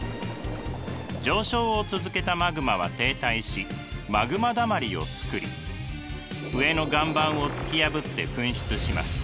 上昇を続けたマグマは停滞しマグマ溜まりをつくり上の岩盤を突き破って噴出します。